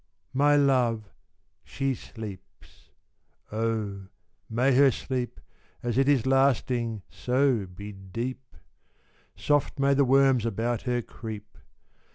My love, she sleeps. Oh, may her sleep, As it is lasting, so be deep! Soft may the worms about her creep!